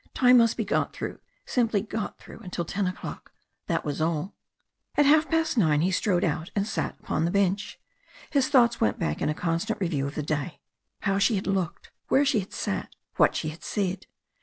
Time must be got through, simply got through until ten o'clock that was all. At half past nine he strode out and sat upon the bench. His thoughts went back in a constant review of the day. How she had looked, where they had sat, what she had said.